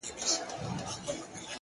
• تل خو به حسین لره یزید کربلا نه نیسي ,